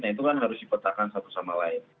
nah itu kan harus dipetakan satu sama lain